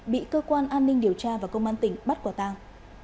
bị cơ quan an ninh điều tra và công an tỉnh bắt quả tang